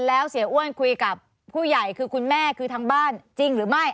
แล้วเสียอ้วนคุยกับผู้ใหญ่คือคุณแม่คือทางบ้านจริงหรือไม่